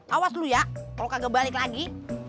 awas dulu ya kalau kagak balik lagi